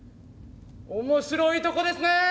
面白いとこですねえ